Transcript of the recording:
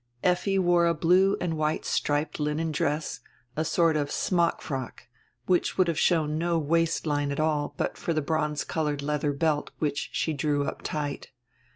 Effi wore a blue and white striped linen dress, a sort of smock frock, which would have shown no waist line at all but for the bronze colored leather belt which she drew up tight.